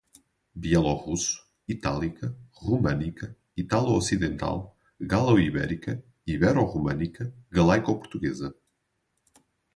bielorrusso, itálica, românica, ítalo-ocidental, galo-ibérica, ibero-românica, galaico-portuguesa